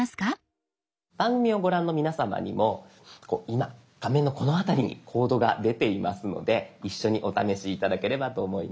番組をご覧の皆さまにも今画面のこの辺りにコードが出ていますので一緒にお試し頂ければと思います。